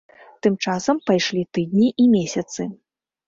Тым часам пайшлі тыдні і месяцы.